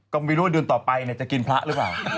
ก็ไม่รู้ว่าเดือนต่อไปจะกินพระหรือเปล่า